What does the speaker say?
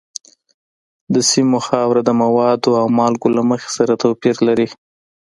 د سیمو خاوره د موادو او مالګو له مخې سره توپیر لري.